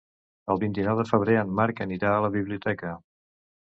El vint-i-nou de febrer en Marc anirà a la biblioteca.